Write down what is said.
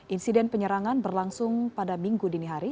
insiden penyerangan berlangsung pada minggu dini hari